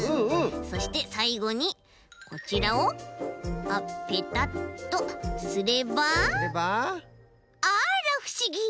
そしてさいごにこちらをあっペタッとすればあらふしぎ！